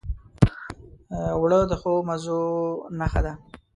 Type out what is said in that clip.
اوړه د ښو مزو نښه ده